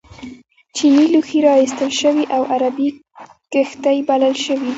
چینی لوښي را ایستل شوي او عربي کښتۍ بلل شوي.